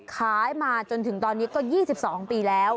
ขายมาจนถึงตอนนี้ก็๒๒ปีแล้ว